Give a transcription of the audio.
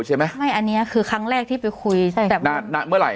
ใช่ไหมไม่อันเนี้ยคือครั้งแรกที่ไปคุยใช่แบบนานเมื่อไหร